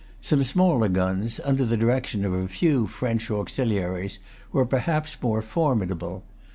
Some smaller guns, under the direction of a few French auxiliaries, were perhaps more formidable.